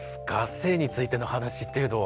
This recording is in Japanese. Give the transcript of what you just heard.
性についての話っていうのは。